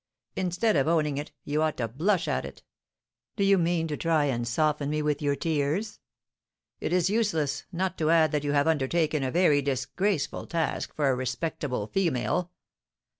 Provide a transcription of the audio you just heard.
Instead of owning it, you ought to blush at it. Do you mean to try and soften me with your tears? It is useless, not to add that you have undertaken a very disgraceful task for a respectable female."